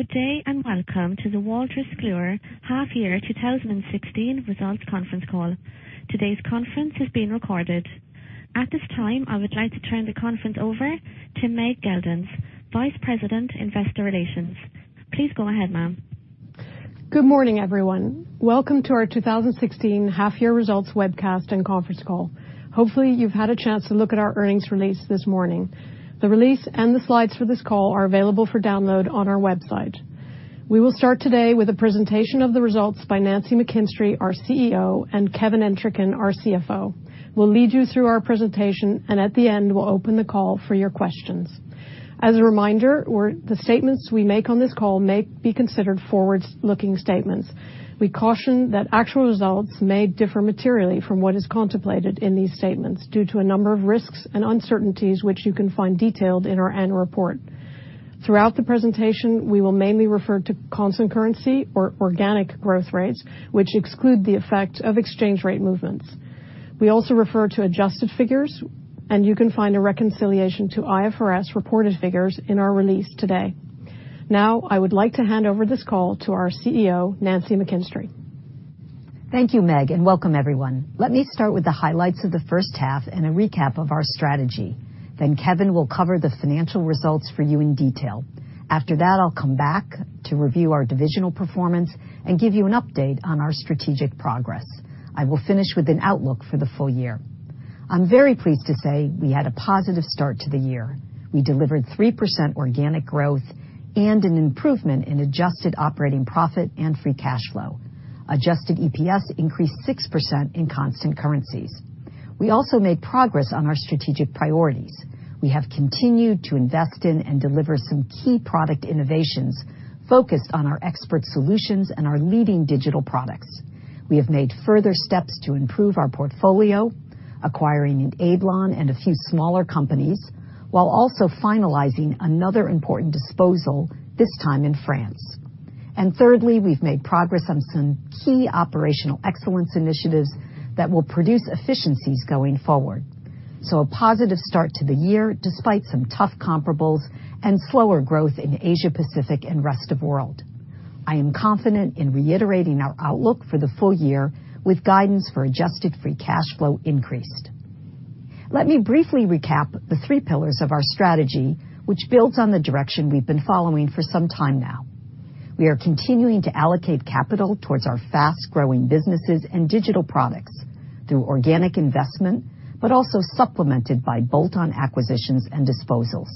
Good day, welcome to the Wolters Kluwer half-year 2016 results conference call. Today's conference is being recorded. At this time, I would like to turn the conference over to Meg Geldens, Vice President, Investor Relations. Please go ahead, ma'am. Good morning, everyone. Welcome to our 2016 half-year results webcast and conference call. Hopefully, you've had a chance to look at our earnings release this morning. The release and the slides for this call are available for download on our website. We will start today with a presentation of the results by Nancy McKinstry, our CEO, and Kevin Entricken, our CFO. We'll lead you through our presentation, at the end, we'll open the call for your questions. As a reminder, the statements we make on this call may be considered forward-looking statements. We caution that actual results may differ materially from what is contemplated in these statements due to a number of risks and uncertainties, which you can find detailed in our annual report. Throughout the presentation, we will mainly refer to constant currency or organic growth rates, which exclude the effect of exchange rate movements. We also refer to adjusted figures, you can find a reconciliation to IFRS reported figures in our release today. Now, I would like to hand over this call to our CEO, Nancy McKinstry. Thank you, Meg, welcome everyone. Let me start with the highlights of the first half, a recap of our strategy. Kevin will cover the financial results for you in detail. After that, I'll come back to review our divisional performance and give you an update on our strategic progress. I will finish with an outlook for the full year. I'm very pleased to say we had a positive start to the year. We delivered 3% organic growth and an improvement in adjusted operating profit and free cash flow. Adjusted EPS increased 6% in constant currencies. We also made progress on our strategic priorities. We have continued to invest in and deliver some key product innovations focused on our expert solutions and our leading digital products. We have made further steps to improve our portfolio, acquiring Enablon and a few smaller companies, while also finalizing another important disposal, this time in France. Thirdly, we've made progress on some key operational excellence initiatives that will produce efficiencies going forward. A positive start to the year, despite some tough comparables and slower growth in Asia, Pacific, and Rest of World. I am confident in reiterating our outlook for the full year with guidance for adjusted free cash flow increased. Let me briefly recap the three pillars of our strategy, which builds on the direction we've been following for some time now. We are continuing to allocate capital towards our fast-growing businesses and digital products through organic investment, but also supplemented by bolt-on acquisitions and disposals.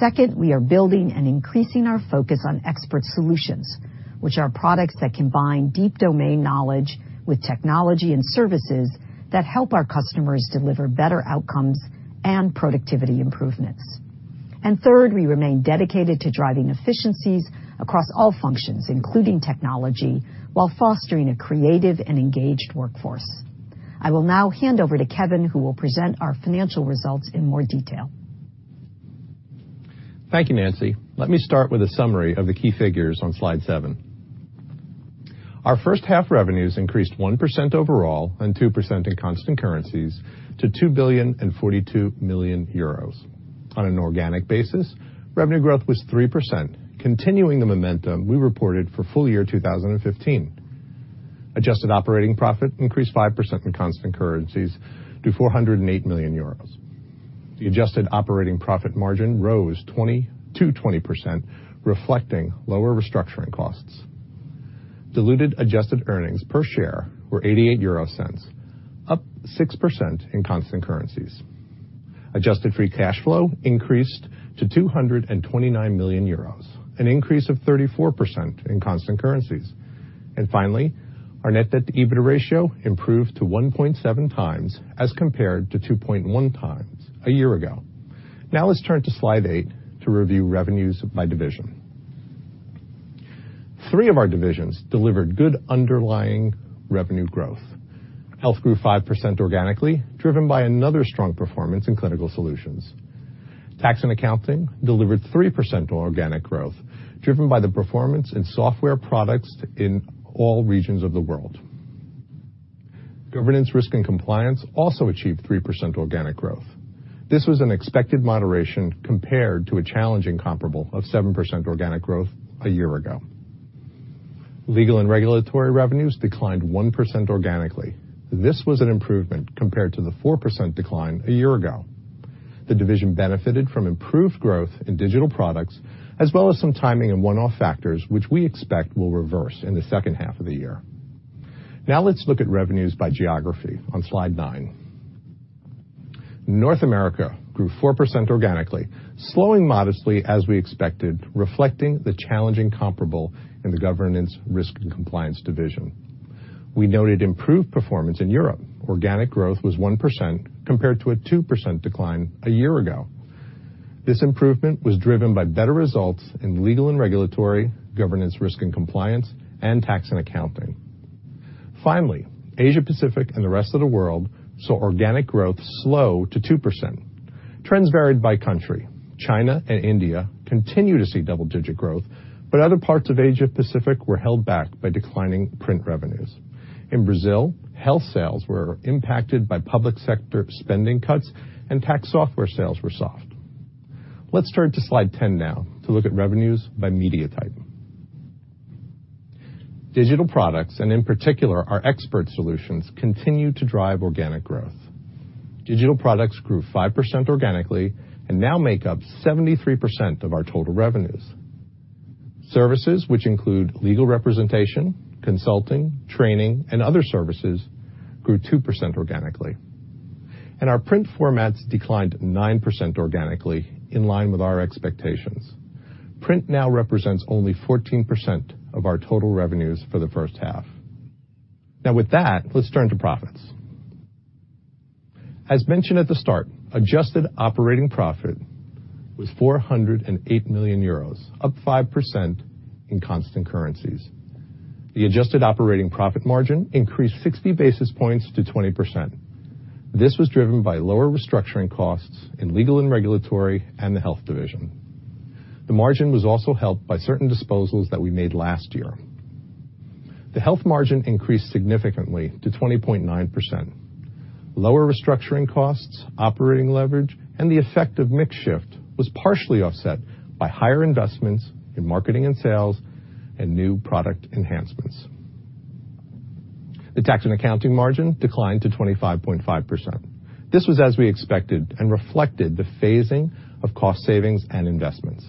Second, we are building and increasing our focus on expert solutions, which are products that combine deep domain knowledge with technology and services that help our customers deliver better outcomes and productivity improvements. Third, we remain dedicated to driving efficiencies across all functions, including technology, while fostering a creative and engaged workforce. I will now hand over to Kevin, who will present our financial results in more detail. Thank you, Nancy. Let me start with a summary of the key figures on slide seven. Our first half revenues increased 1% overall and 2% in constant currencies to 2,042 million euros. On an organic basis, revenue growth was 3%, continuing the momentum we reported for full year 2015. Adjusted operating profit increased 5% in constant currencies to 408 million euros. The adjusted operating profit margin rose to 20%, reflecting lower restructuring costs. Diluted adjusted earnings per share were 0.88, up 6% in constant currencies. Adjusted free cash flow increased to 229 million euros, an increase of 34% in constant currencies. Finally, our net debt to EBITDA ratio improved to 1.7 times as compared to 2.1 times a year ago. Now let's turn to slide eight to review revenues by division. Three of our divisions delivered good underlying revenue growth. Health grew 5% organically, driven by another strong performance in Clinical Solutions. Tax & Accounting delivered 3% organic growth, driven by the performance in software products in all regions of the world. Governance, Risk & Compliance also achieved 3% organic growth. This was an expected moderation compared to a challenging comparable of 7% organic growth a year ago. Legal & Regulatory revenues declined 1% organically. This was an improvement compared to the 4% decline a year ago. The division benefited from improved growth in digital products, as well as some timing and one-off factors which we expect will reverse in the second half of the year. Now let's look at revenues by geography on slide nine. North America grew 4% organically, slowing modestly as we expected, reflecting the challenging comparable in the Governance, Risk & Compliance division. We noted improved performance in Europe. Organic growth was 1% compared to a 2% decline a year ago. This improvement was driven by better results in Legal & Regulatory, Governance, Risk & Compliance, and Tax & Accounting. Asia-Pacific and the rest of the world saw organic growth slow to 2%. Trends varied by country. China and India continue to see double-digit growth, but other parts of Asia-Pacific were held back by declining print revenues. In Brazil, Health sales were impacted by public sector spending cuts, and tax software sales were soft. Let's turn to slide 10 now to look at revenues by media type. Digital products, and in particular, our expert solutions, continue to drive organic growth. Digital products grew 5% organically and now make up 73% of our total revenues. Services, which include legal representation, consulting, training, and other services, grew 2% organically. Our print formats declined 9% organically, in line with our expectations. Print now represents only 14% of our total revenues for the first half. With that, let's turn to profits. As mentioned at the start, adjusted operating profit was 408 million euros, up 5% in constant currencies. The adjusted operating profit margin increased 60 basis points to 20%. This was driven by lower restructuring costs in Legal & Regulatory and the Health division. The margin was also helped by certain disposals that we made last year. The Health margin increased significantly to 20.9%. Lower restructuring costs, operating leverage, and the effect of mix shift was partially offset by higher investments in marketing and sales and new product enhancements. The Tax & Accounting margin declined to 25.5%. This was as we expected and reflected the phasing of cost savings and investments.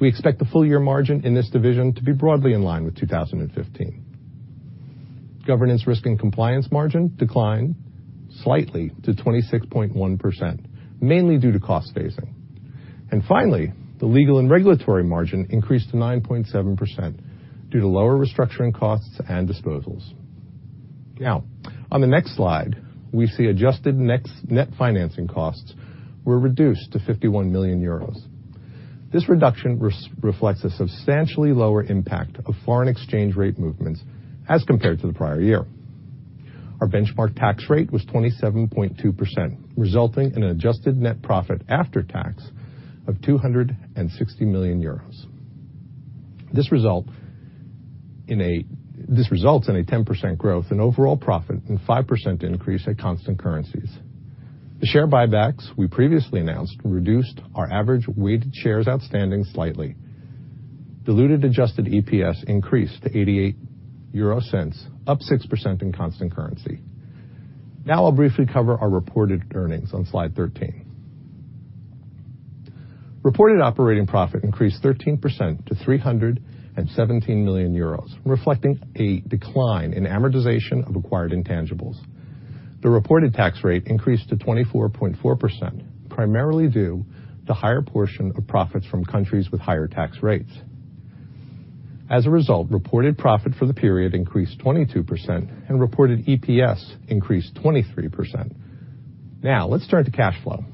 We expect the full year margin in this division to be broadly in line with 2015. Governance, Risk & Compliance margin declined slightly to 26.1%, mainly due to cost phasing. Finally, the Legal & Regulatory margin increased to 9.7% due to lower restructuring costs and disposals. On the next slide, we see adjusted net financing costs were reduced to 51 million euros. This reduction reflects a substantially lower impact of foreign exchange rate movements as compared to the prior year. Our benchmark tax rate was 27.2%, resulting in an adjusted net profit after tax of 260 million euros. This results in a 10% growth in overall profit, and 5% increase at constant currencies. The share buybacks we previously announced reduced our average weighted shares outstanding slightly. Diluted adjusted EPS increased to 0.88, up 6% in constant currency. I'll briefly cover our reported earnings on slide 13. Reported operating profit increased 13% to 317 million euros, reflecting a decline in amortization of acquired intangibles. The reported tax rate increased to 24.4%, primarily due to higher portion of profits from countries with higher tax rates. As a result, reported profit for the period increased 22% and reported EPS increased 23%. Let's turn to cash flow.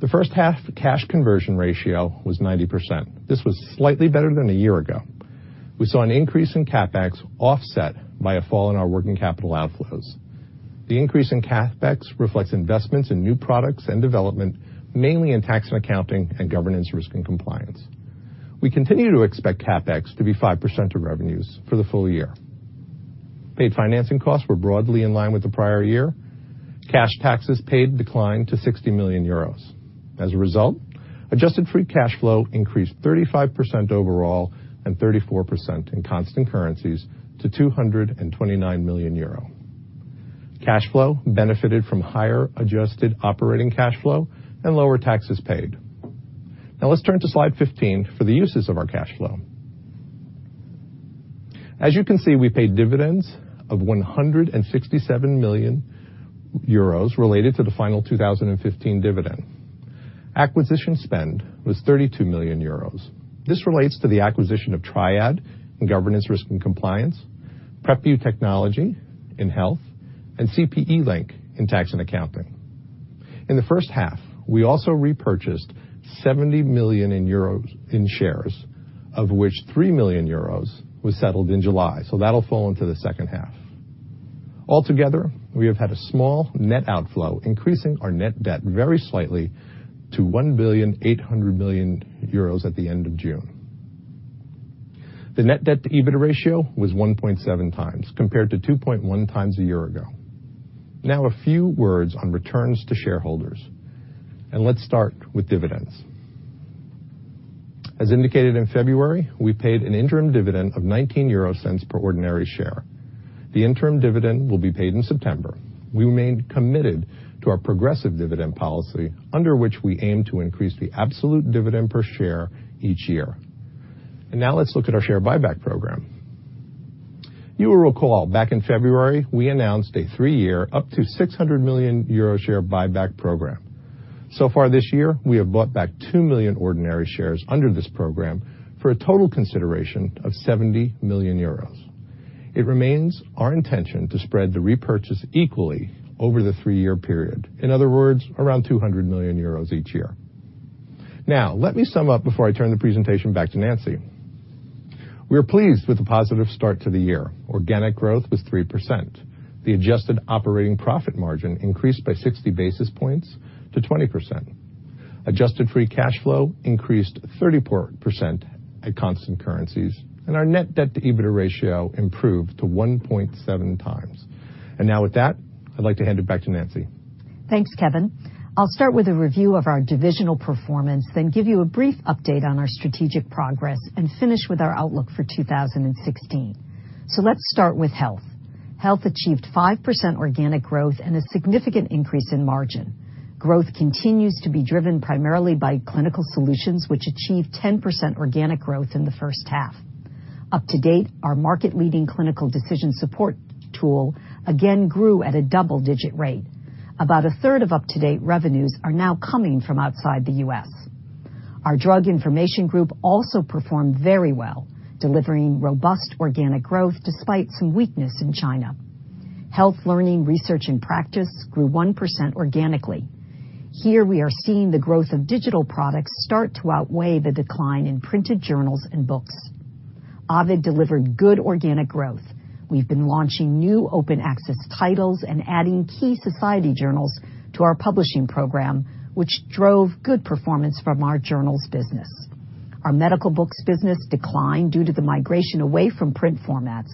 The first half cash conversion ratio was 90%. This was slightly better than a year ago. We saw an increase in CapEx offset by a fall in our working capital outflows. The increase in CapEx reflects investments in new products and development, mainly in Tax & Accounting and Governance, Risk & Compliance. We continue to expect CapEx to be 5% of revenues for the full year. Paid financing costs were broadly in line with the prior year. Cash taxes paid declined to 60 million euros. As a result, adjusted free cash flow increased 35% overall and 34% in constant currencies to 229 million euro. Cash flow benefited from higher adjusted operating cash flow and lower taxes paid. Now let's turn to slide 15 for the uses of our cash flow. As you can see, we paid dividends of 167 million euros related to the final 2015 dividend. Acquisition spend was 32 million euros. This relates to the acquisition of Triad in Governance, Risk & Compliance, PrepU Technology in Health, and CPE Link in Tax & Accounting. In the first half, we also repurchased 70 million euros in shares, of which 3 million euros was settled in July, so that'll fall into the second half. Altogether, we have had a small net outflow, increasing our net debt very slightly to 1,800,000,000 euros at the end of June. The net debt to EBITDA ratio was 1.7 times, compared to 2.1 times a year ago. A few words on returns to shareholders, let's start with dividends. As indicated in February, we paid an interim dividend of 0.19 per ordinary share. The interim dividend will be paid in September. We remain committed to our progressive dividend policy, under which we aim to increase the absolute dividend per share each year. Let's look at our share buyback program. You will recall back in February, we announced a three-year up to 600 million euro share buyback program. So far this year, we have bought back two million ordinary shares under this program for a total consideration of 70 million euros. It remains our intention to spread the repurchase equally over the three-year period. In other words, around 200 million euros each year. Let me sum up before I turn the presentation back to Nancy. We are pleased with the positive start to the year. Organic growth was 3%. The adjusted operating profit margin increased by 60 basis points to 20%. Adjusted free cash flow increased 34% at constant currencies, our net debt to EBITDA ratio improved to 1.7 times. With that, I'd like to hand it back to Nancy. Thanks, Kevin. I'll start with a review of our divisional performance, give you a brief update on our strategic progress, finish with our outlook for 2016. Let's start with Health. Health achieved 5% organic growth and a significant increase in margin. Growth continues to be driven primarily by Clinical Solutions, which achieved 10% organic growth in the first half. UpToDate, our market-leading clinical decision support tool again grew at a double-digit rate. About a third of UpToDate revenues are now coming from outside the U.S. Our drug information group also performed very well, delivering robust organic growth despite some weakness in China. Health learning, research, and practice grew 1% organically. Here we are seeing the growth of digital products start to outweigh the decline in printed journals and books. Ovid delivered good organic growth. We've been launching new open access titles and adding key society journals to our publishing program, which drove good performance from our journals business. Our medical books business declined due to the migration away from print formats,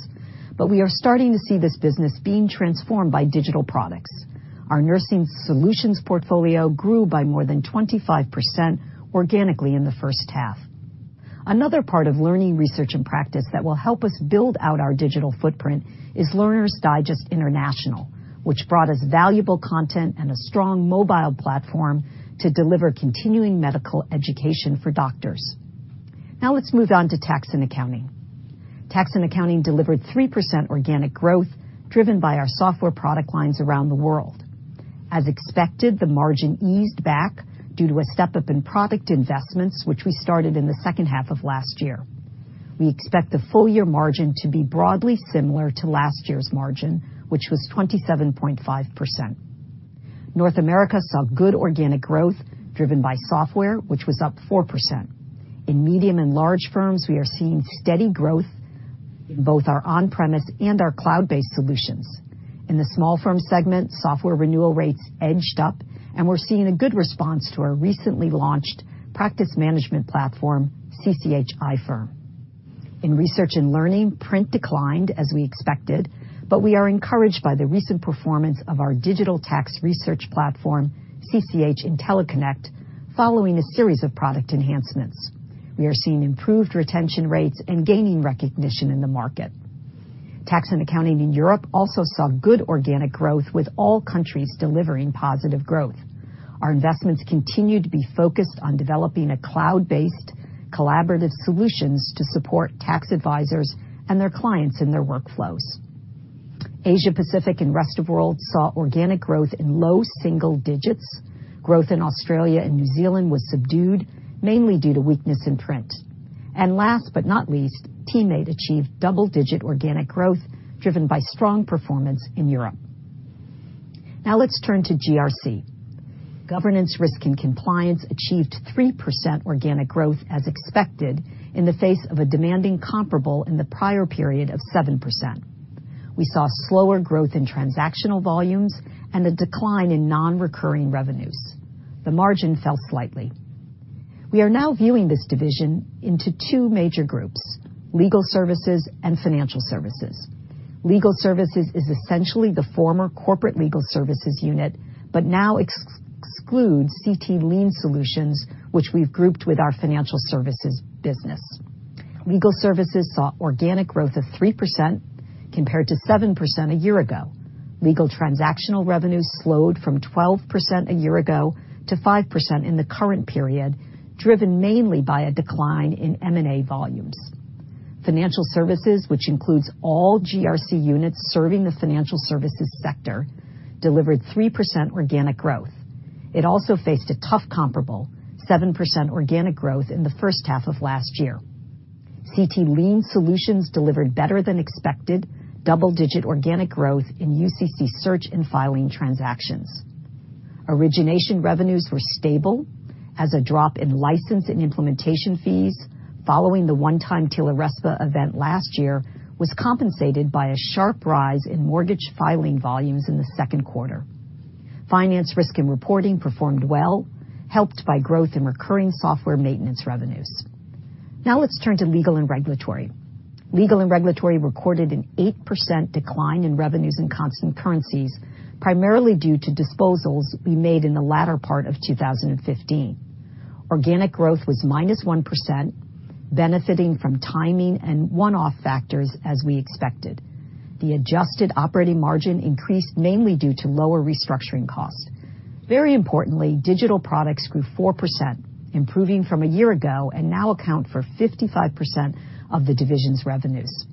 but we are starting to see this business being transformed by digital products. Our nursing solutions portfolio grew by more than 25% organically in the first half. Another part of learning, research, and practice that will help us build out our digital footprint is Learner's Digest International, which brought us valuable content and a strong mobile platform to deliver continuing medical education for doctors. Now let's move on to Tax & Accounting. Tax & Accounting delivered 3% organic growth, driven by our software product lines around the world. As expected, the margin eased back due to a step-up in product investments, which we started in the second half of last year. We expect the full year margin to be broadly similar to last year's margin, which was 27.5%. North America saw good organic growth driven by software, which was up 4%. In medium and large firms, we are seeing steady growth in both our on-premise and our cloud-based solutions. In the small firm segment, software renewal rates edged up. We're seeing a good response to our recently launched practice management platform, CCH iFirm. In research and learning, print declined as we expected. We are encouraged by the recent performance of our digital tax research platform, CCH IntelliConnect, following a series of product enhancements. We are seeing improved retention rates and gaining recognition in the market. Tax & Accounting in Europe also saw good organic growth, with all countries delivering positive growth. Our investments continue to be focused on developing cloud-based collaborative solutions to support tax advisors and their clients in their workflows. Asia Pacific and Rest of World saw organic growth in low single digits. Growth in Australia and New Zealand was subdued, mainly due to weakness in print. Last but not least, TeamMate achieved double-digit organic growth driven by strong performance in Europe. Now let's turn to GRC. Governance, Risk & Compliance achieved 3% organic growth as expected in the face of a demanding comparable in the prior period of 7%. We saw slower growth in transactional volumes and a decline in non-recurring revenues. The margin fell slightly. We are now viewing this division into two major groups, legal services and financial services. Legal services is essentially the former corporate legal services unit, but now excludes CT Lien Solutions, which we've grouped with our financial services business. Legal services saw organic growth of 3% compared to 7% a year ago. Legal transactional revenues slowed from 12% a year ago to 5% in the current period, driven mainly by a decline in M&A volumes. Financial services, which includes all GRC units serving the financial services sector, delivered 3% organic growth. It also faced a tough comparable 7% organic growth in the first half of last year. CT Lien Solutions delivered better-than-expected double-digit organic growth in UCC search and filing transactions. Origination revenues were stable as a drop in license and implementation fees following the one-time TILA-RESPA event last year was compensated by a sharp rise in mortgage filing volumes in the second quarter. Finance, Risk & Reporting performed well, helped by growth in recurring software maintenance revenues. Now let's turn to Legal & Regulatory. Legal & Regulatory recorded an 8% decline in revenues in constant currencies, primarily due to disposals we made in the latter part of 2015. Organic growth was -1%, benefiting from timing and one-off factors as we expected. The adjusted operating margin increased mainly due to lower restructuring costs. Very importantly, digital products grew 4%, improving from a year ago and now account for 55% of the division's revenues.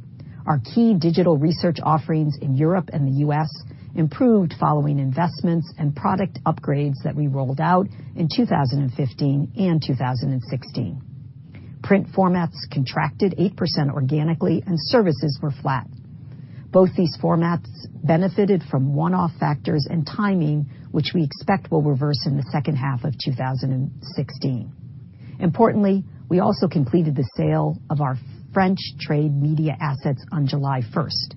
Our key digital research offerings in Europe and the U.S. improved following investments and product upgrades that we rolled out in 2015 and 2016. Print formats contracted 8% organically, and services were flat. Both these formats benefited from one-off factors and timing, which we expect will reverse in the second half of 2016. Importantly, we also completed the sale of our French trade media assets on July 1st.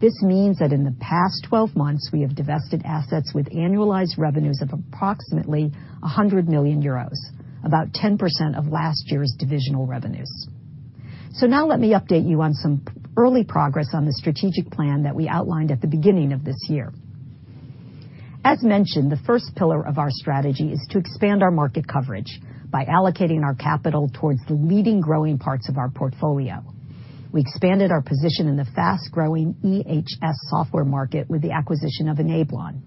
This means that in the past 12 months, we have divested assets with annualized revenues of approximately 100 million euros, about 10% of last year's divisional revenues. Now let me update you on some early progress on the strategic plan that we outlined at the beginning of this year. As mentioned, the first pillar of our strategy is to expand our market coverage by allocating our capital towards the leading growing parts of our portfolio. We expanded our position in the fast-growing EHS software market with the acquisition of Enablon.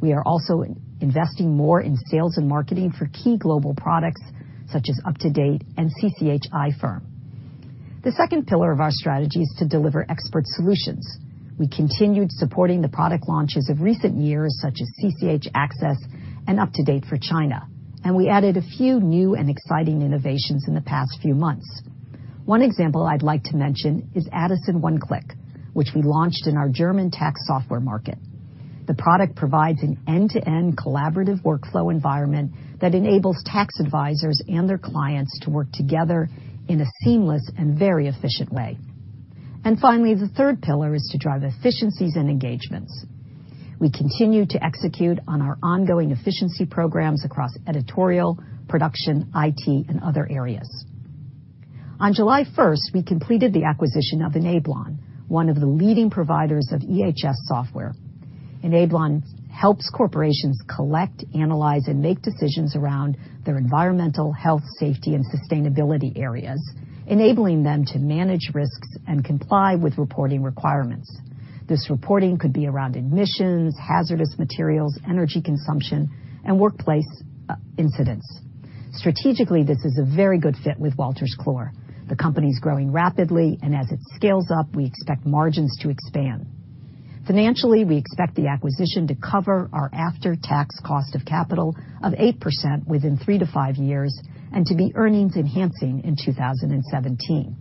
We are also investing more in sales and marketing for key global products such as UpToDate and CCH iFirm. The second pillar of our strategy is to deliver expert solutions. We continued supporting the product launches of recent years, such as CCH Axcess and UpToDate for China, and we added a few new and exciting innovations in the past few months. One example I'd like to mention is ADDISON OneClick, which we launched in our German tax software market. The product provides an end-to-end collaborative workflow environment that enables tax advisors and their clients to work together in a seamless and very efficient way. Finally, the third pillar is to drive efficiencies and engagements. We continue to execute on our ongoing efficiency programs across editorial, production, IT, and other areas. On July 1st, we completed the acquisition of Enablon, one of the leading providers of EHS software. Enablon helps corporations collect, analyze, and make decisions around their environmental, health, safety, and sustainability areas, enabling them to manage risks and comply with reporting requirements. This reporting could be around emissions, hazardous materials, energy consumption, and workplace incidents. Strategically, this is a very good fit with Wolters Kluwer. The company's growing rapidly, and as it scales up, we expect margins to expand. Financially, we expect the acquisition to cover our after-tax cost of capital of 8% within three to five years and to be earnings enhancing in 2017.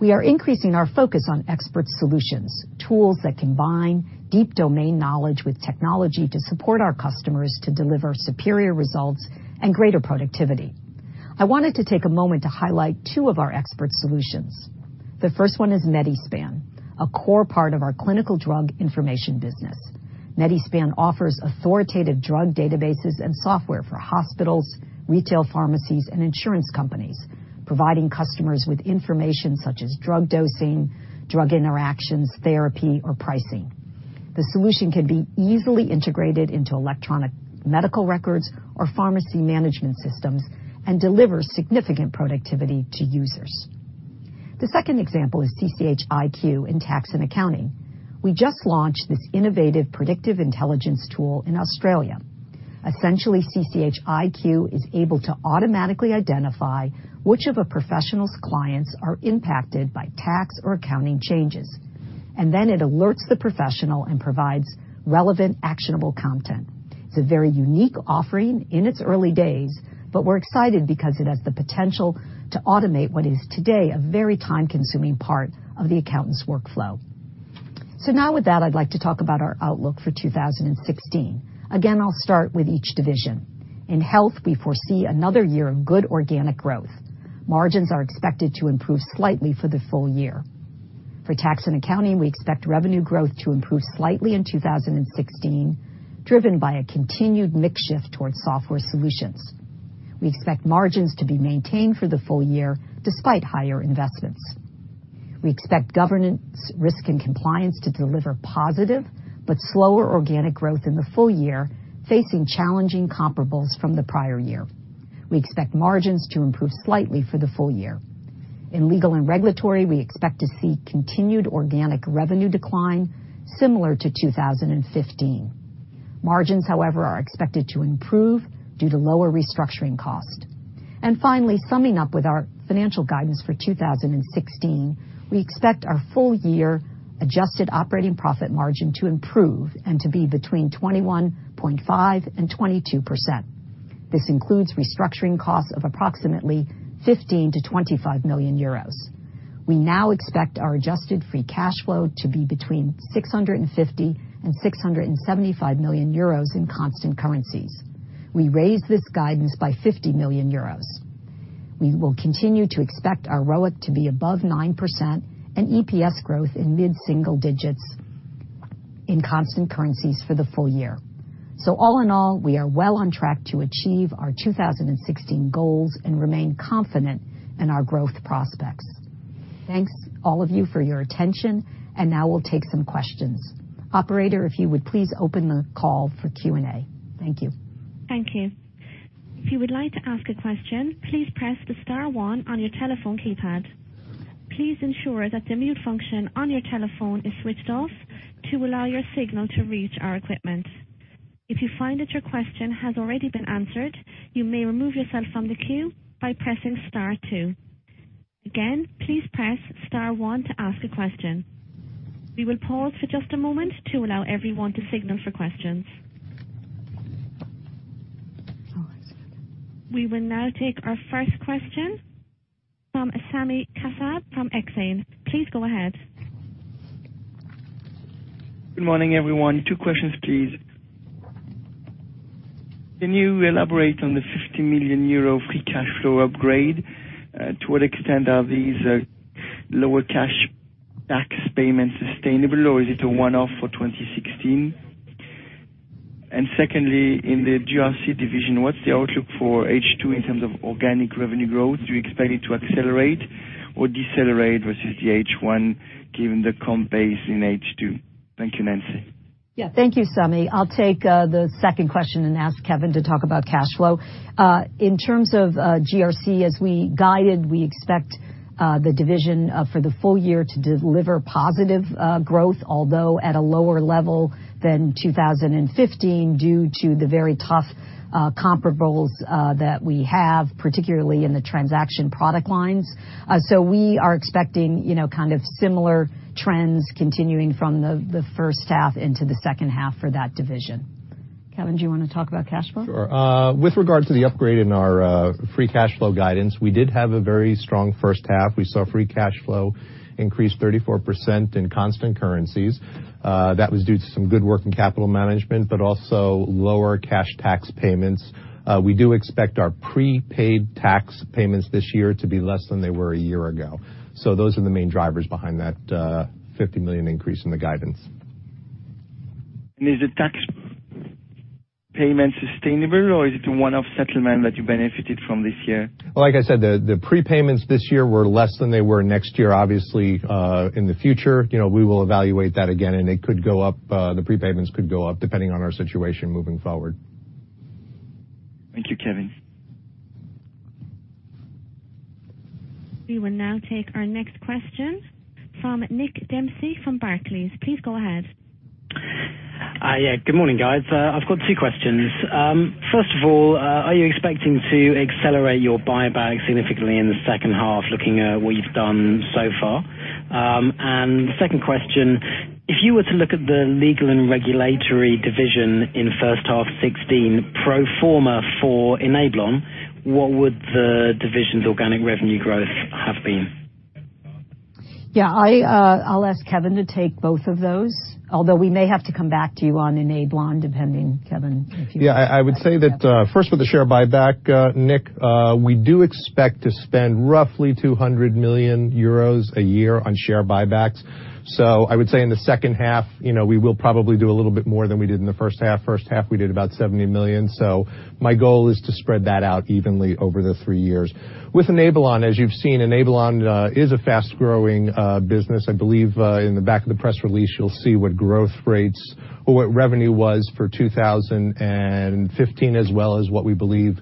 We are increasing our focus on expert solutions, tools that combine deep domain knowledge with technology to support our customers to deliver superior results and greater productivity. I wanted to take a moment to highlight two of our expert solutions. The first one is Medi-Span, a core part of our clinical drug information business. Medi-Span offers authoritative drug databases and software for hospitals, retail pharmacies, and insurance companies, providing customers with information such as drug dosing, drug interactions, therapy, or pricing. The solution can be easily integrated into electronic medical records or pharmacy management systems and delivers significant productivity to users. The second example is CCH iQ in Tax & Accounting. We just launched this innovative predictive intelligence tool in Australia. Essentially, CCH iQ is able to automatically identify which of a professional's clients are impacted by tax or accounting changes, and then it alerts the professional and provides relevant, actionable content. It's a very unique offering in its early days, but we're excited because it has the potential to automate what is today a very time-consuming part of the accountant's workflow. Now with that, I'd like to talk about our outlook for 2016. Again, I'll start with each division. In Health, we foresee another year of good organic growth. Margins are expected to improve slightly for the full year. For Tax & Accounting, we expect revenue growth to improve slightly in 2016, driven by a continued mix shift towards software solutions. We expect margins to be maintained for the full year, despite higher investments. We expect Governance, Risk & Compliance to deliver positive but slower organic growth in the full year, facing challenging comparables from the prior year. We expect margins to improve slightly for the full year. In Legal & Regulatory, we expect to see continued organic revenue decline similar to 2015. Margins, however, are expected to improve due to lower restructuring cost. Finally, summing up with our financial guidance for 2016, we expect our full year adjusted operating profit margin to improve and to be between 21.5% and 22%. This includes restructuring costs of approximately 15 million-25 million euros. We now expect our adjusted free cash flow to be between 650 million and 675 million euros in constant currencies. We raised this guidance by 50 million euros. We will continue to expect our ROIC to be above 9% and EPS growth in mid-single digits in constant currencies for the full year. All in all, we are well on track to achieve our 2016 goals and remain confident in our growth prospects. Thanks all of you for your attention, and now we'll take some questions. Operator, if you would please open the call for Q&A. Thank you. Thank you. If you would like to ask a question, please press the star one on your telephone keypad. Please ensure that the mute function on your telephone is switched off to allow your signal to reach our equipment. If you find that your question has already been answered, you may remove yourself from the queue by pressing star two. Again, please press star one to ask a question. We will pause for just a moment to allow everyone to signal for questions. We will now take our first question from Sami Kassab from Exane. Please go ahead. Good morning, everyone. Two questions, please. Can you elaborate on the 50 million euro free cash flow upgrade? To what extent are these lower cash tax payments sustainable, or is it a one-off for 2016? Secondly, in the GRC division, what's the outlook for H2 in terms of organic revenue growth? Do you expect it to accelerate or decelerate versus the H1, given the comp base in H2? Thank you, Nancy. Thank you, Sami. I'll take the second question and ask Kevin to talk about cash flow. In terms of GRC as we guided, we expect the division for the full year to deliver positive growth, although at a lower level than 2015 due to the very tough comparables that we have, particularly in the transaction product lines. We are expecting kind of similar trends continuing from the first half into the second half for that division. Kevin, do you want to talk about cash flow? Sure. With regard to the upgrade in our free cash flow guidance, we did have a very strong first half. We saw free cash flow increase 34% in constant currencies. That was due to some good work in capital management, but also lower cash tax payments. We do expect our prepaid tax payments this year to be less than they were a year ago. Those are the main drivers behind that 50 million increase in the guidance. Is the tax payment sustainable, or is it a one-off settlement that you benefited from this year? Like I said, the prepayments this year were less than they were next year. Obviously, in the future, we will evaluate that again, and the prepayments could go up depending on our situation moving forward. Thank you, Kevin. We will now take our next question from Nick Dempsey from Barclays. Please go ahead. Good morning, guys. I've got two questions. First of all, are you expecting to accelerate your buyback significantly in the second half, looking at what you've done so far? Second question, if you were to look at the Legal & Regulatory division in H1 2016 pro forma for Enablon, what would the division's organic revenue growth have been? Yeah. I'll ask Kevin to take both of those, although we may have to come back to you on Enablon, depending. Kevin, if you- Yeah. I would say that first with the share buyback, Nick, we do expect to spend roughly 200 million euros a year on share buybacks. I would say in the second half, we will probably do a little bit more than we did in the first half. First half, we did about 70 million, my goal is to spread that out evenly over the three years. With Enablon, as you've seen, Enablon is a fast-growing business. I believe in the back of the press release, you'll see what growth rates or what revenue was for 2015, as well as what we believe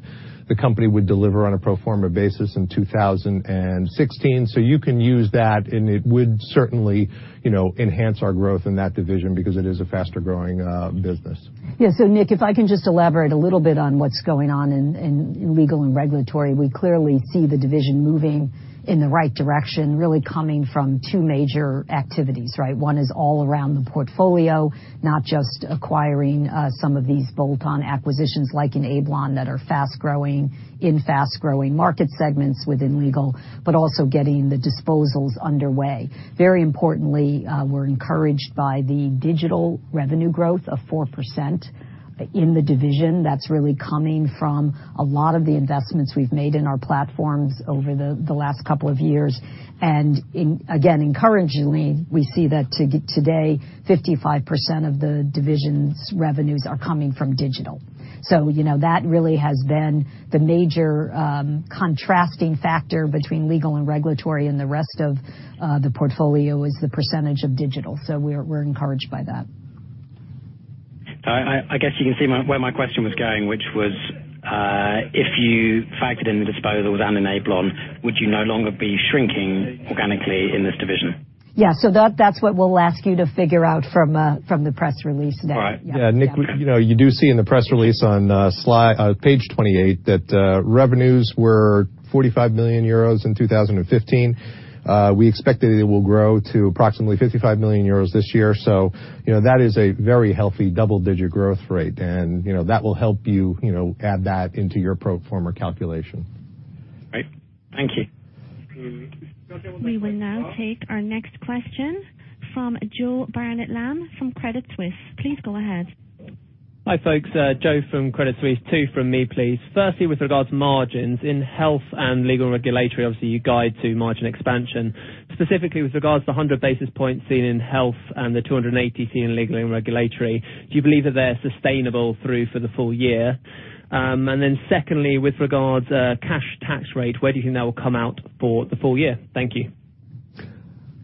the company would deliver on a pro forma basis in 2016. You can use that, and it would certainly enhance our growth in that division because it is a faster-growing business. Yeah. Nick, if I can just elaborate a little bit on what's going on in Legal & Regulatory. We clearly see the division moving in the right direction, really coming from two major activities, right? One is all around the portfolio, not just acquiring some of these bolt-on acquisitions like Enablon that are fast-growing in fast-growing market segments within legal, but also getting the disposals underway. Very importantly, we're encouraged by the digital revenue growth of 4% in the division. That's really coming from a lot of the investments we've made in our platforms over the last couple of years. Again, encouragingly, we see that today, 55% of the division's revenues are coming from digital. That really has been the major contrasting factor between Legal & Regulatory and the rest of the portfolio, is the percentage of digital. We're encouraged by that. I guess you can see where my question was going, which was, if you factored in the disposals and Enablon, would you no longer be shrinking organically in this division? Yeah. That's what we'll ask you to figure out from the press release then. Right. Yeah. Nick, you do see in the press release on page 28 that revenues were 45 million euros in 2015. We expect that it will grow to approximately 55 million euros this year. That is a very healthy double-digit growth rate, and that will help you add that into your pro forma calculation. Right. Thank you. We will now take our next question from Joseph Barnet-Lamb from Credit Suisse. Please go ahead. Hi, folks. Joe from Credit Suisse. Two from me, please. Firstly, with regards to margins in Health and Legal & Regulatory, obviously, you guide to margin expansion. Specifically, with regards to 100 basis points seen in Health and the 280 seen in Legal & Regulatory, do you believe that they're sustainable through for the full year? Secondly, with regards to cash tax rate, where do you think that will come out for the full year? Thank you.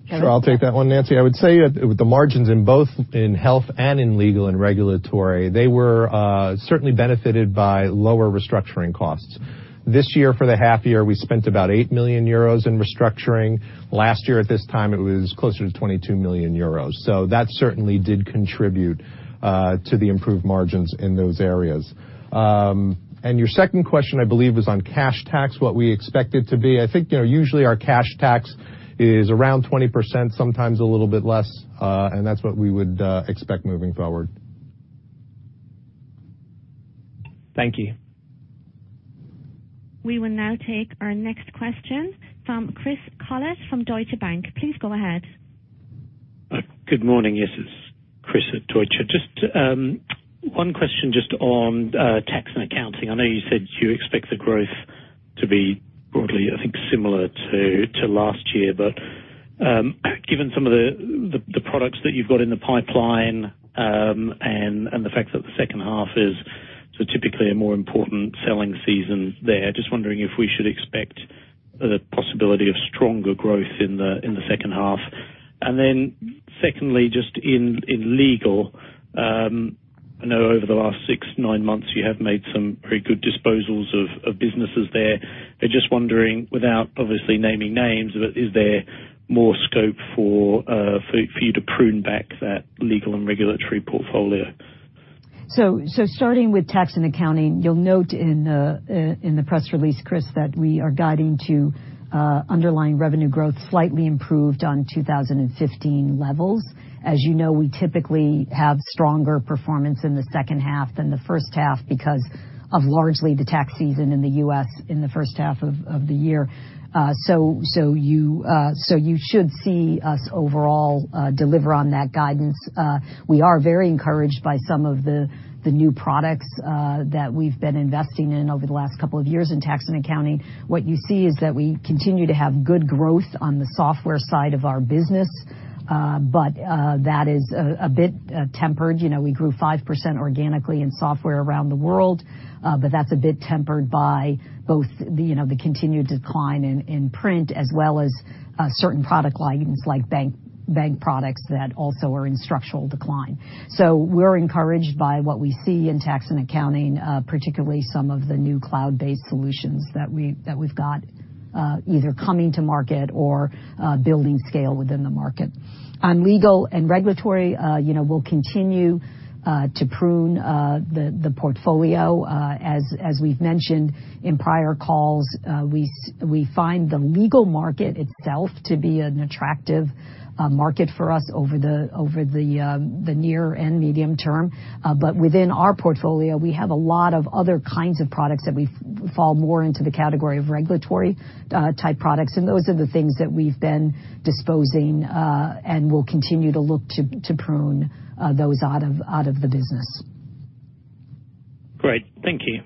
Kevin. Sure. I'll take that one, Nancy. I would say with the margins in both in Health and in Legal & Regulatory, they were certainly benefited by lower restructuring costs. This year, for the half year, we spent about 8 million euros in restructuring. Last year at this time, it was closer to 22 million euros. That certainly did contribute to the improved margins in those areas. Your second question, I believe, was on cash tax, what we expect it to be. I think usually our cash tax is around 20%, sometimes a little bit less, and that's what we would expect moving forward. Thank you. We will now take our next question from Chris Collett from Deutsche Bank. Please go ahead. Good morning. Yes, it's Chris at Deutsche. Just one question just on Tax & Accounting. I know you said you expect the growth to be broadly, I think, similar to last year. Given some of the products that you've got in the pipeline, and the fact that the second half is typically a more important selling season there, just wondering if we should expect the possibility of stronger growth in the second half. Secondly, just in Legal & Regulatory, I know over the last six, nine months, you have made some very good disposals of businesses there. Just wondering, without obviously naming names, is there more scope for you to prune back that Legal & Regulatory portfolio? Starting with Tax & Accounting, you'll note in the press release, Chris, that we are guiding to underlying revenue growth slightly improved on 2015 levels. As you know, we typically have stronger performance in the second half than the first half because of largely the tax season in the U.S. in the first half of the year. You should see us overall deliver on that guidance. We are very encouraged by some of the new products that we've been investing in over the last couple of years in Tax & Accounting. What you see is that we continue to have good growth on the software side of our business, that is a bit tempered. We grew 5% organically in software around the world, that's a bit tempered by both the continued decline in print as well as certain product lines like bank products that also are in structural decline. We're encouraged by what we see in Tax & Accounting, particularly some of the new Cloud Solutions that we've got either coming to market or building scale within the market. Legal & Regulatory, we'll continue to prune the portfolio. As we've mentioned in prior calls, we find the legal market itself to be an attractive market for us over the near and medium term. Within our portfolio, we have a lot of other kinds of products that fall more into the category of regulatory type products, those are the things that we've been disposing, we'll continue to look to prune those out of the business. Great. Thank you.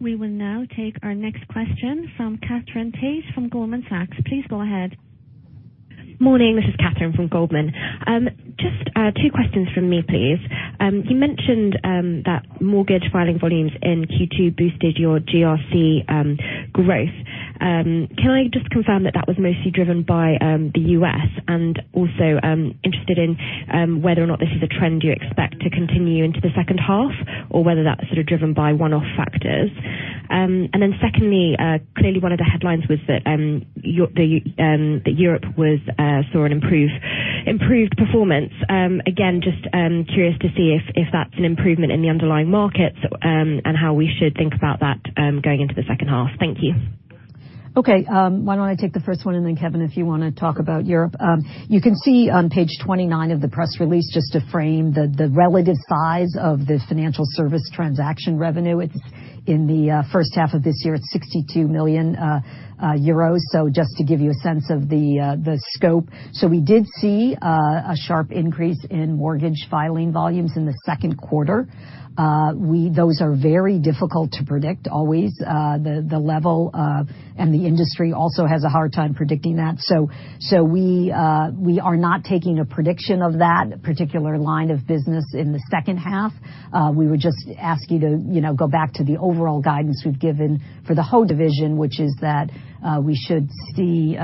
We will now take our next question from Katherine Tait from Goldman Sachs. Please go ahead. Morning. This is Katherine from Goldman. Just two questions from me, please. You mentioned that mortgage filing volumes in Q2 boosted your GRC growth. Can I just confirm that that was mostly driven by the U.S.? Also, interested in whether or not this is a trend you expect to continue into the second half, or whether that's sort of driven by one-off factors. Then secondly, clearly one of the headlines was that Europe saw an improved performance. Again, just curious to see if that's an improvement in the underlying markets, and how we should think about that going into the second half. Thank you. Okay. Why don't I take the first one, and then Kevin, if you want to talk about Europe. You can see on page 29 of the press release, just to frame the relative size of the financial service transaction revenue in the first half of this year, it's 62 million euros, so just to give you a sense of the scope. We did see a sharp increase in mortgage filing volumes in the second quarter. Those are very difficult to predict always, the level, and the industry also has a hard time predicting that. We are not taking a prediction of that particular line of business in the second half. We would just ask you to go back to the overall guidance we've given for the whole division, which is that we should see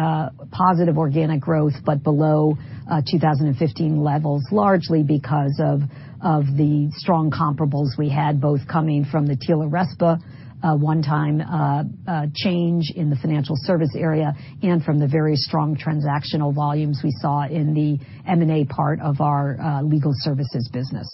positive organic growth, but below 2015 levels, largely because of the strong comparables we had, both coming from the TILA-RESPA one-time change in the financial service area and from the very strong transactional volumes we saw in the M&A part of our legal services business.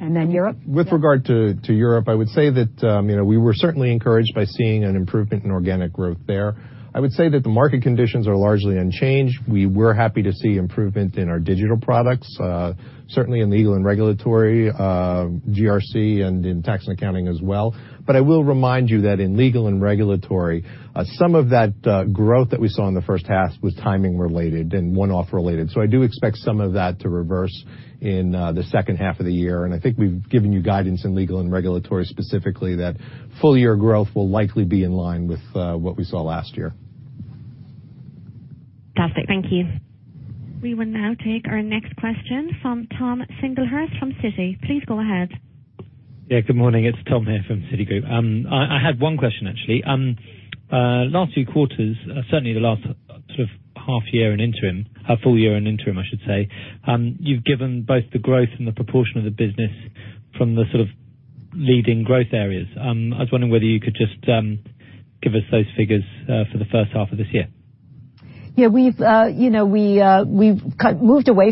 Then Europe? Yeah. With regard to Europe, I would say that we were certainly encouraged by seeing an improvement in organic growth there. I would say that the market conditions are largely unchanged. We were happy to see improvement in our digital products, certainly in Legal & Regulatory, GRC, and in Tax & Accounting as well. I will remind you that in Legal & Regulatory, some of that growth that we saw in the first half was timing related and one-off related. I do expect some of that to reverse in the second half of the year, and I think we've given you guidance in Legal & Regulatory specifically that full-year growth will likely be in line with what we saw last year. Fantastic. Thank you. We will now take our next question from Tom Singlehurst from Citi. Please go ahead. Yeah, good morning. It's Tom here from Citigroup. I had one question, actually. Last few quarters, certainly the last sort of half year and interim, full year and interim, I should say, you've given both the growth and the proportion of the business from the sort of leading growth areas. I was wondering whether you could just give us those figures for the first half of this year. Yeah. We've moved away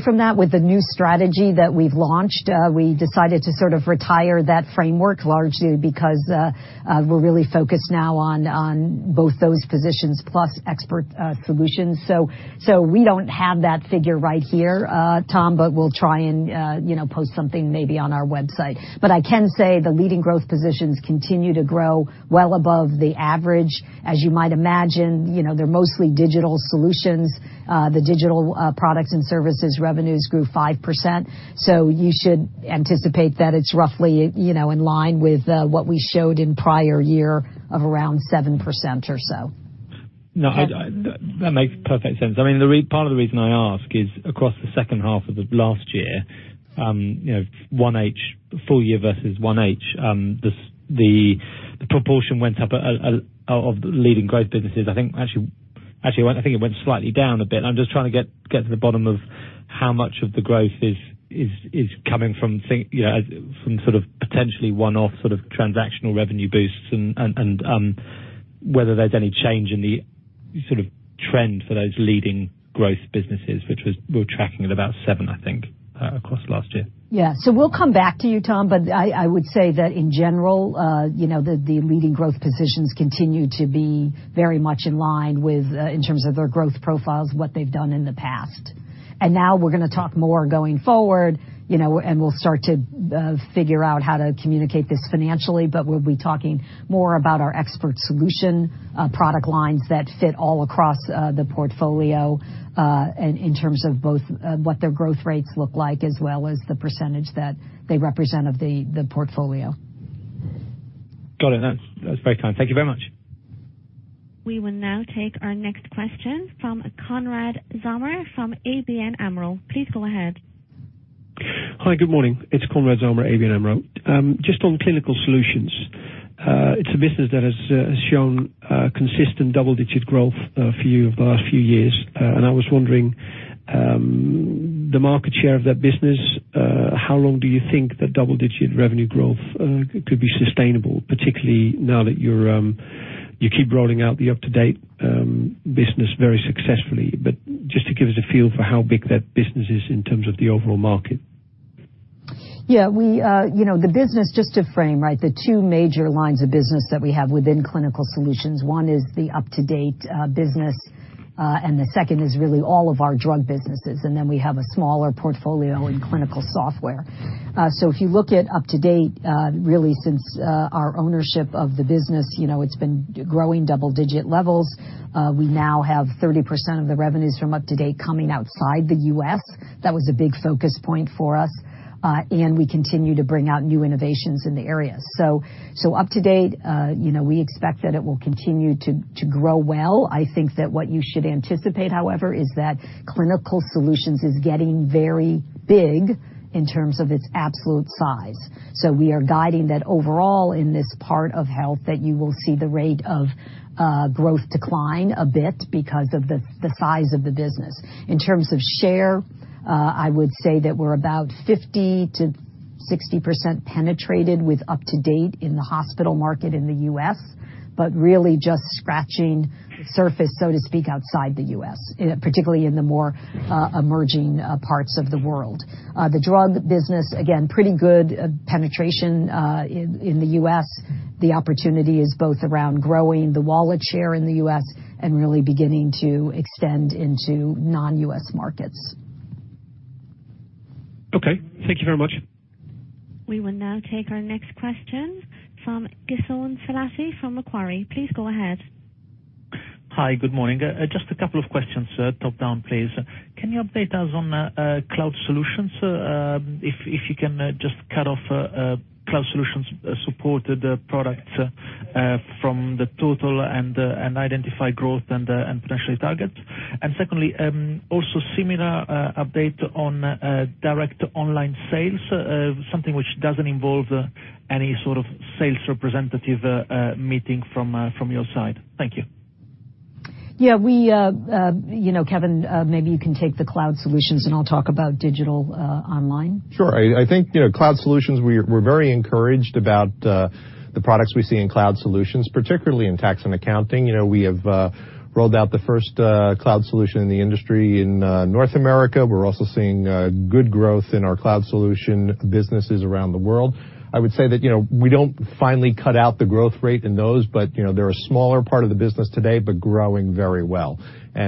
from that with the new strategy that we've launched. We decided to sort of retire that framework largely because we're really focused now on both those positions plus expert solutions. We don't have that figure right here, Tom, but we'll try and post something maybe on our website. I can say the leading growth positions continue to grow well above the average. As you might imagine, they're mostly digital solutions. The digital products and services revenues grew 5%, so you should anticipate that it's roughly in line with what we showed in prior year of around 7% or so. No, that makes perfect sense. Part of the reason I ask is across the second half of the last year, full year versus 1H, the proportion went up of leading growth businesses. Actually, I think it went slightly down a bit. I'm just trying to get to the bottom of how much of the growth is coming from potentially one-off transactional revenue boosts, and whether there's any change in the trend for those leading growth businesses, which we're tracking at about 7, I think, across last year. Yeah. We'll come back to you, Tom. I would say that in general, the leading growth positions continue to be very much in line with, in terms of their growth profiles, what they've done in the past. Now we're going to talk more going forward, and we'll start to figure out how to communicate this financially, but we'll be talking more about our expert solution, product lines that fit all across the portfolio, and in terms of both what their growth rates look like, as well as the percentage that they represent of the portfolio. Got it. That's very kind. Thank you very much. We will now take our next question from Konrad Zomer from ABN AMRO. Please go ahead. Hi. Good morning. It's Konrad Zomer, ABN AMRO. Just on Clinical Solutions, it's a business that has shown consistent double-digit growth for the last few years. I was wondering, the market share of that business, how long do you think that double-digit revenue growth could be sustainable? Particularly now that you keep rolling out the UpToDate business very successfully. Just to give us a feel for how big that business is in terms of the overall market. Yeah. The business, just to frame, the two major lines of business that we have within Clinical Solutions, one is the UpToDate business, and the second is really all of our drug businesses, and then we have a smaller portfolio in clinical software. If you look at UpToDate, really since our ownership of the business, it's been growing double-digit levels. We now have 30% of the revenues from UpToDate coming outside the U.S. That was a big focus point for us. We continue to bring out new innovations in the area. UpToDate, we expect that it will continue to grow well. I think that what you should anticipate, however, is that Clinical Solutions is getting very big in terms of its absolute size. We are guiding that overall in this part of Health, that you will see the rate of growth decline a bit because of the size of the business. In terms of share, I would say that we're about 50%-60% penetrated with UpToDate in the hospital market in the U.S., but really just scratching the surface, so to speak, outside the U.S., particularly in the more emerging parts of the world. The drug business, again, pretty good penetration in the U.S. The opportunity is both around growing the wallet share in the U.S. and really beginning to extend into non-U.S. markets. Okay. Thank you very much. We will now take our next question from Giasone Salati from Macquarie. Please go ahead. Hi. Good morning. Just a couple of questions, top-down, please. Can you update us on Cloud Solutions? If you can just cut off Cloud Solutions supported products from the total and identify growth and potential targets. Secondly, also similar update on direct online sales, something which doesn't involve any sort of sales representative meeting from your side. Thank you. Yeah. Kevin, maybe you can take the Cloud Solutions, and I'll talk about digital online. Sure. I think Cloud Solutions, we're very encouraged about the products we see in Cloud Solutions, particularly in Tax & Accounting. We have rolled out the first cloud solution in the industry in North America. We're also seeing good growth in our cloud solution businesses around the world. I would say that we don't finally cut out the growth rate in those, but they're a smaller part of the business today, but growing very well.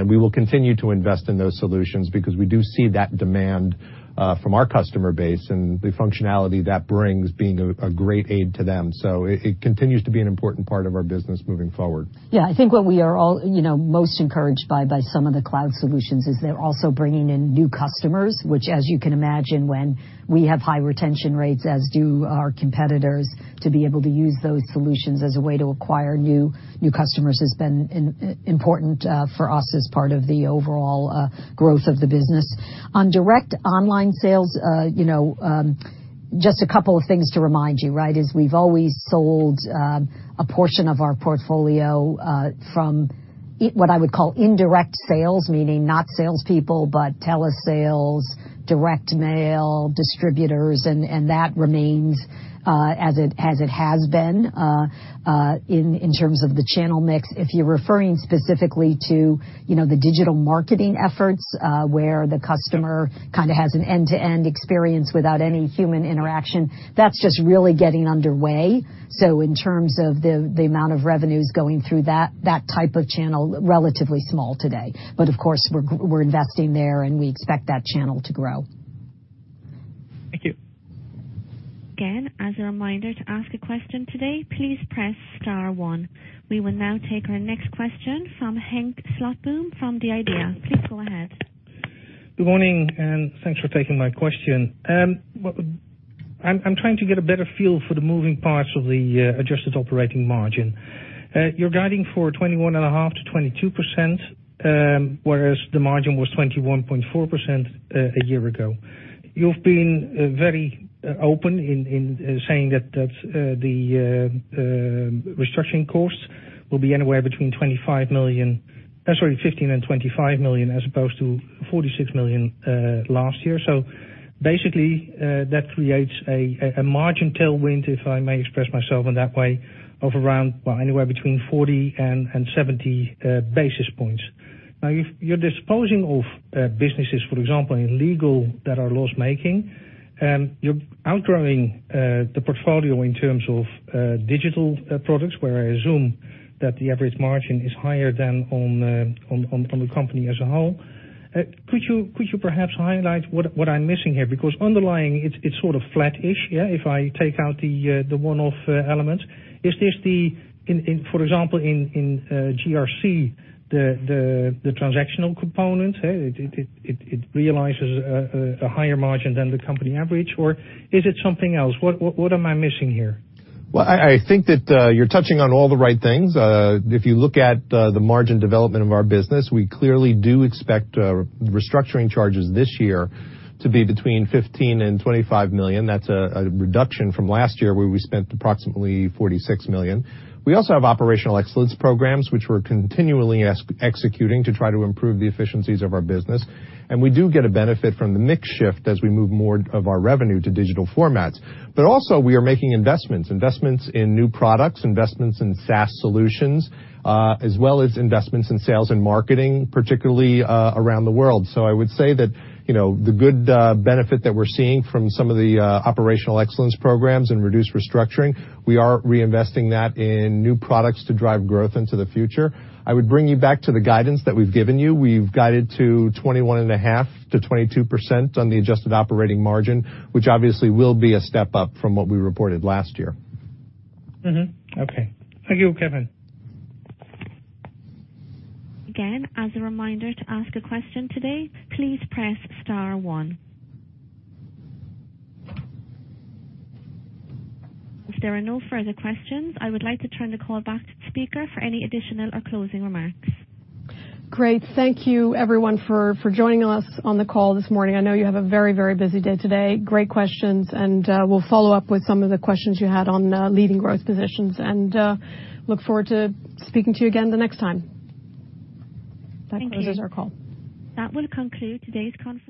We will continue to invest in those solutions because we do see that demand from our customer base and the functionality that brings being a great aid to them. It continues to be an important part of our business moving forward. I think what we are all most encouraged by some of the Cloud Solutions is they're also bringing in new customers, which as you can imagine, when we have high retention rates, as do our competitors, to be able to use those solutions as a way to acquire new customers has been important for us as part of the overall growth of the business. On direct online sales, just a couple of things to remind you is we've always sold a portion of our portfolio from what I would call indirect sales, meaning not salespeople, but telesales, direct mail, distributors, and that remains as it has been in terms of the channel mix. If you're referring specifically to the digital marketing efforts, where the customer kind of has an end-to-end experience without any human interaction, that's just really getting underway. In terms of the amount of revenues going through that type of channel, relatively small today. Of course, we're investing there, and we expect that channel to grow. Thank you. As a reminder to ask a question today, please press star one. We will now take our next question from Henk Slotboom from The Idea. Please go ahead. Good morning, and thanks for taking my question. I'm trying to get a better feel for the moving parts of the adjusted operating margin. You're guiding for 21.5%-22%, whereas the margin was 21.4% a year ago. You've been very open in saying that the restructuring costs will be anywhere between 15 million and 25 million, as opposed to 46 million last year. Basically, that creates a margin tailwind, if I may express myself in that way, of around anywhere between 40 and 70 basis points. If you're disposing of businesses, for example, in Legal that are loss-making, you're outgrowing the portfolio in terms of digital products, where I assume that the average margin is higher than on the company as a whole. Could you perhaps highlight what I'm missing here? Because underlying, it's sort of flat-ish, yeah, if I take out the one-off elements. Is this the, for example, in GRC, the transactional component? It realizes a higher margin than the company average, or is it something else? What am I missing here? Well, I think that you're touching on all the right things. If you look at the margin development of our business, we clearly do expect restructuring charges this year to be between 15 million and 25 million. That's a reduction from last year, where we spent approximately 46 million. We also have operational excellence programs, which we're continually executing to try to improve the efficiencies of our business. We do get a benefit from the mix shift as we move more of our revenue to digital formats. Also, we are making investments. Investments in new products, investments in SaaS solutions, as well as investments in sales and marketing, particularly around the world. I would say that the good benefit that we're seeing from some of the operational excellence programs and reduced restructuring, we are reinvesting that in new products to drive growth into the future. I would bring you back to the guidance that we've given you. We've guided to 21.5%-22% on the adjusted operating margin, which obviously will be a step up from what we reported last year. Okay. Thank you, Kevin. Again, as a reminder, to ask a question today, please press star one. If there are no further questions, I would like to turn the call back to the speaker for any additional or closing remarks. Great. Thank you, everyone, for joining us on the call this morning. I know you have a very, very busy day today. Great questions. We'll follow up with some of the questions you had on Leading Growth Positions, and look forward to speaking to you again the next time. That closes our call. That will conclude today's conference.